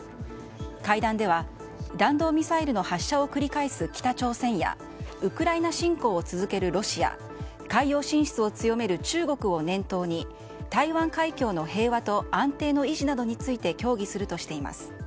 会談では、弾道ミサイルの発射を繰り返す北朝鮮やウクライナ侵攻を続けるロシア海洋進出を強める中国を念頭に台湾海峡の平和と安定の維持などについて協議するとしています。